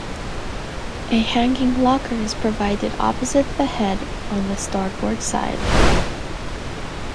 A hanging locker is provided opposite the head on the starboard side.